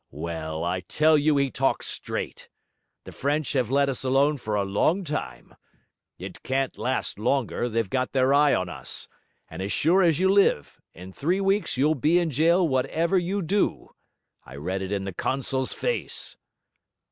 'Well, I tell you he talked straight. The French have let us alone for a long time; It can't last longer; they've got their eye on us; and as sure as you live, in three weeks you'll be in jail whatever you do. I read it in the consul's face.'